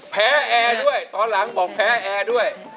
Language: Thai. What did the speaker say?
แพ้แอด้วยตอนหลังบอกแพ้แอด้วย